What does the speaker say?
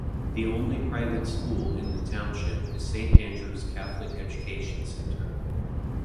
The only private school in the township is Saint Andrews Catholic Education Center.